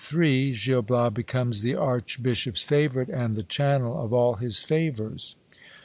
— Gil Bias becomes the Archbishop's favourite, and the channel of all his favours.